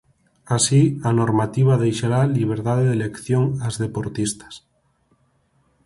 Así, a normativa deixará "liberdade de elección" ás deportistas.